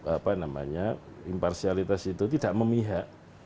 apa namanya imparsialitas itu tidak memihak